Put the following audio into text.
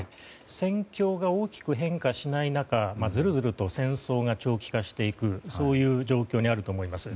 戦況が大きく変化しない中ずるずると戦争が長期化していく状況にあると思います。